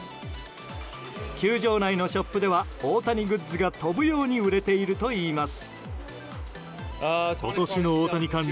球場内のショップでは大谷グッズが飛ぶように売れているといいます。